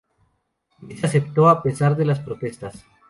Luis aceptó a pesar de las protestas.